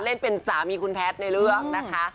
เล่นเป็นสามีคุณแพทย์ในเรื่องนะคะ